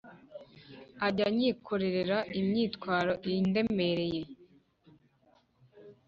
Ajya anyikorerera imitwaro indemereye